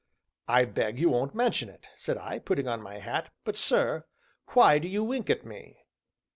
"I beg you won't mention it," said I, putting on my hat; "but, sir, why do you wink at me?"